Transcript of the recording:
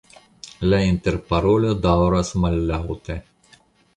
La interparolo daŭras mallaŭte.